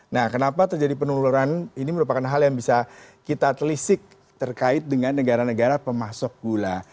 nah kenapa terjadi penurunan ini merupakan hal yang bisa kita telisik terkait dengan negara negara pemasok gula